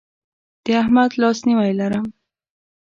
د احمد لاسنیوی لرم.